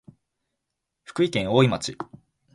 福井県おおい町